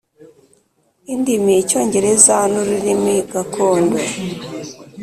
Indimi Icyongereza n ururimi gakondo